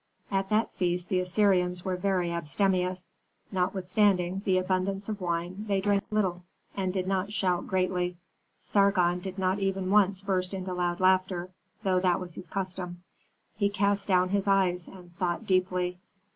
At that feast the Assyrians were very abstemious. Notwithstanding the abundance of wine, they drank little, and did not shout greatly. Sargon did not even once burst into loud laughter, though that was his custom; he cast down his eyes and thought deeply.